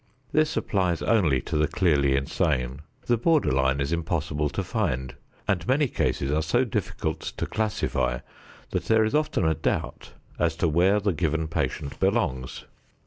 This applies only to the clearly insane. The border line is impossible to find, and many cases are so difficult to classify that there is often a doubt as to where the given patient belongs.